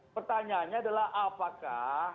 pertanyaannya adalah apakah